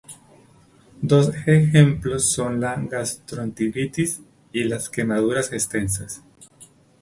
Dos ejemplos son la gastroenteritis y las quemaduras extensas.